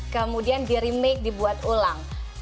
kemudian di remake dibuat ulang